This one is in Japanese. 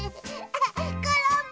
コロンも！